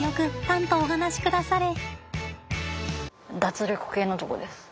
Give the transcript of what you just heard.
たんとお話しくだされ。